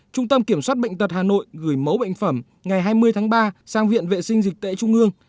trung tâm kiểm soát bệnh tật hà nội gửi mẫu bệnh phẩm ngày hai mươi tháng ba sang viện vệ sinh dịch tễ trung ương